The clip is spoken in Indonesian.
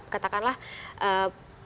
katakanlah pendapat kemudian